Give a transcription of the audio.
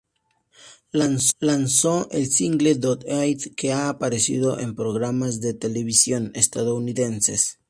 Lanzó el single "Do It", que ha aparecido en programas de televisión estadounidenses.